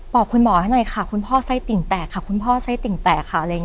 บอกคุณหมอให้หน่อยค่ะคุณพ่อไส้ติ่งแตกค่ะคุณพ่อไส้ติ่งแตกค่ะ